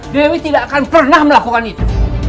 dewi tidak akan pernah melakukan itu